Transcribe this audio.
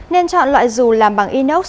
nên chọn loại dù làm bằng inox